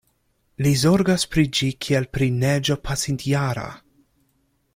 Li zorgas pri ĝi kiel pri neĝo pasintjara.